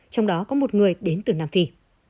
trong đó có một người đến từ nam phi